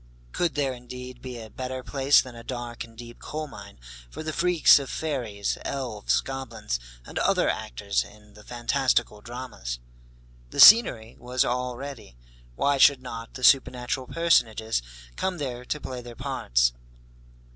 Could there indeed be a better place than a dark and deep coal mine for the freaks of fairies, elves, goblins, and other actors in the fantastical dramas? The scenery was all ready, why should not the supernatural personages come there to play their parts?